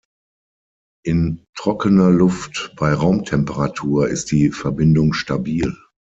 In trockener Luft bei Raumtemperatur ist die Verbindung stabil.